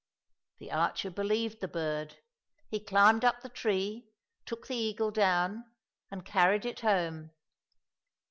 " The archer believed the bird. He climbed up the tree, took the eagle down, and carried it home.